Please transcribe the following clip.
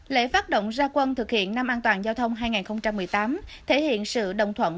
lễ phát động ra quân thực hiện năm an toàn giao thông hai nghìn một mươi tám thể hiện sự đồng thuận